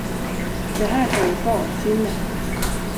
Det här är vansinne.